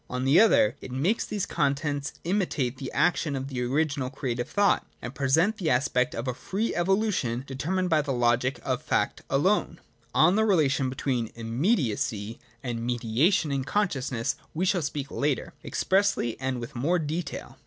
On the other it makes these contents imitate the action of the original creative thought, and present the aspect of a free evolution determined by the logic of the fact alone. On the relation between ' immediacy ' and ' mediation ' in consciousness we shall speak later, expressly and with more detail.